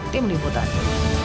timur ibu tati